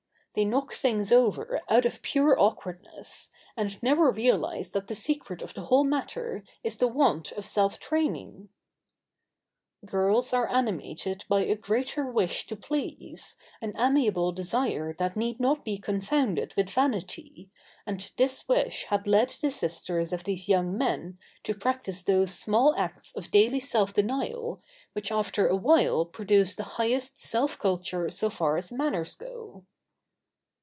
They knock things over out of pure awkwardness, and never realise that the secret of the whole matter is the want of self training. [Sidenote: The secret of the whole matter.] Girls are animated by a greater wish to please, an amiable desire that need not be confounded with vanity, and this wish has led the sisters of these young men to practise those small acts of daily self denial which after awhile produce the highest self culture so far as manners go.